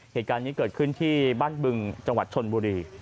เหตุการณ์นี้เกิดขึ้นที่บ้านบึงจังหวัดชนบุรี